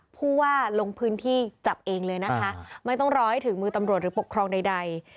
ผู้ว่าลงพื้นที่จับเองเลยนะคะไม่ต้องรอให้ถึงมือตำรวจหรือปกครองใด